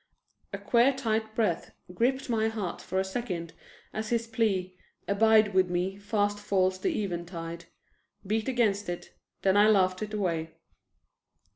A queer tight breath gripped my heart for a second as his plea, "Abide with me, fast falls the eventide," beat against it, then I laughed it away.